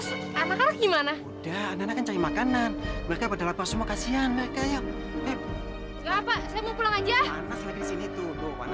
sampai jumpa di video selanjutnya